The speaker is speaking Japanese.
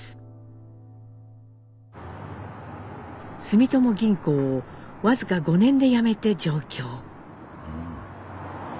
住友銀行を僅か５年で辞めて上京。